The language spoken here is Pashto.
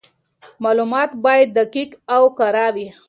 معلومات باید دقیق او کره وي.